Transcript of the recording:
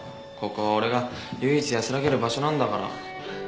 ここは俺が唯一安らげる場所なんだから。